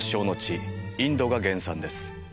インドが原産です。